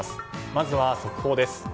まずは速報です。